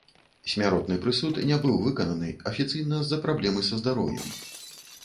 Смяротны прысуд не быў выкананы, афіцыйна з-за праблемы са здароўем.